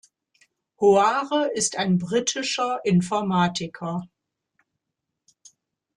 Hoare, ist ein britischer Informatiker.